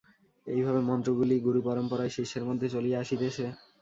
এইভাবে মন্ত্রগুলি গুরুপরম্পরায় শিষ্যের মধ্যে চলিয়া আসিতেছে।